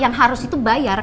yang harus itu bayar